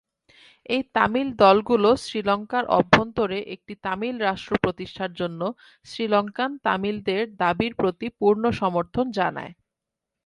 এই তামিল দলগুলো শ্রীলঙ্কার অভ্যন্তরে একটি তামিল রাষ্ট্র প্রতিষ্ঠার জন্য শ্রীলঙ্কান তামিলদের দাবির প্রতি পূর্ণ সমর্থন জানায়।